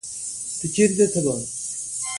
افغانستان د باران لپاره مشهور دی.